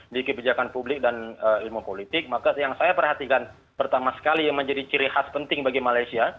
di kebijakan publik dan ilmu politik maka yang saya perhatikan pertama sekali yang menjadi ciri khas penting bagi malaysia